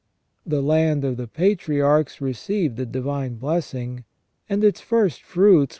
The land of the Patriarchs received the divine blessing, and its first fruits were * S.